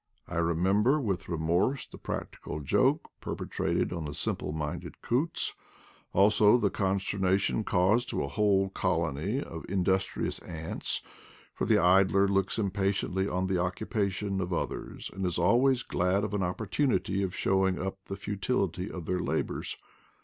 I remember with remorse the practical joke perpetrated on the simple minded coots, also the consternation caused to a whole colony of indus trious ants ; for the idler looks impatiently on the occupations of others, and is always glad of an opportunity of showing up the futility of their labors.